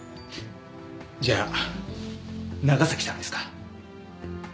じゃあ長崎さんですか？